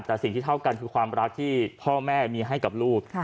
แต่สิ่งที่เท่ากันคือความรักที่พ่อแม่มีให้กับลูก